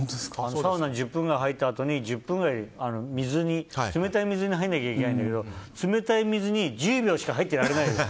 サウナに１０分くらい入ったあとに、１０分くらい冷たい水に入らなきゃいけないんだけど冷たい水に１０秒しか入ってられないの。